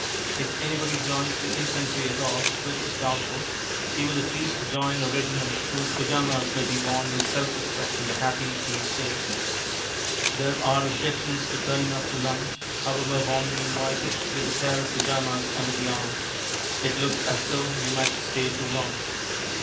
If anybody joins the infantry at all (which is doubtful), he will at least join a regiment whose pyjamas may be worn with self respect in the happy peace days. There are objections to turning up to lunch (however warmly invited) with a pair of pyjamas under the arm. It looks as though you might stay too long.